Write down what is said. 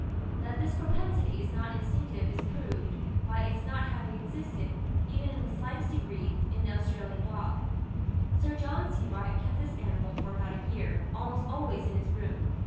That this propensity is not instinctive is proved, by its not having existed, even in the slightest degree, in the Australian dog. Sir John Sebright kept this animal for about a year, almost always in his room.